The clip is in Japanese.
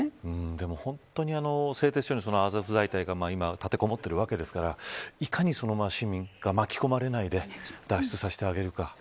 でも本当に、製鉄所にアゾフ大隊が立てこもっているわけですからいかに市民が巻き込まれないで脱出させてあげるか。